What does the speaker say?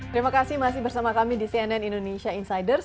terima kasih masih bersama kami di cnn indonesia insiders